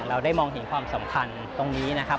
เราได้มองเห็นความสำคัญตรงนี้นะครับ